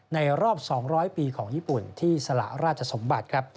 รอบ๒๐๐ปีของญี่ปุ่นที่สละราชสมบัติครับ